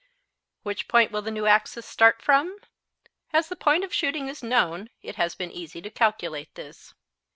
Which point will the new axis start from? As the point of shooting is known, it has been easy to calculate this.